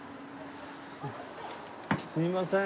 すいません。